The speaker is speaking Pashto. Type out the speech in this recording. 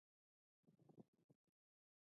دوی د مسلطو طبقو بې رحمۍ افشا کولې.